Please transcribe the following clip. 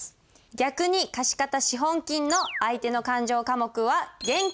逆に貸方資本金の相手の勘定科目は現金という事ですね。